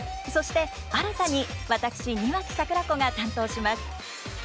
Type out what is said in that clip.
そして新たに私庭木櫻子が担当します。